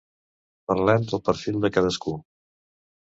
Parlem del perfil de cadascú.